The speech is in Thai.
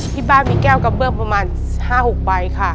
ที่บ้านมีแก้วกระเบื้องประมาณ๕๖ใบค่ะ